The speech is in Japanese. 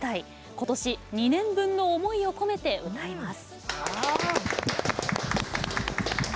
今年、２年分の思いを込めて歌います